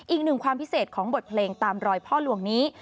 อีกหนึ่งความพิเศษของบทเพลงตามรอยพ่อหลวงนี้